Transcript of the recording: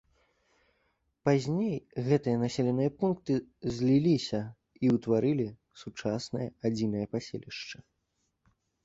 Пазней гэтыя населеныя пункты зліліся і ўтварылі сучаснае адзінае паселішча.